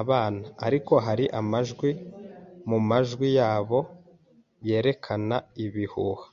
abana. Ariko hari amajwi mumajwi yabo yerekana ibihuha.